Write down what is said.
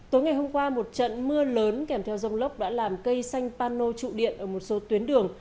tối ngày hôm qua một trận mưa lớn kèm theo dông lốc đã làm cây xanh pano trụ điện ở một số tuyến đường